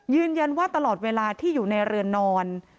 ยืนยันว่าตลอดเวลาที่อยู่ในเรือนนอน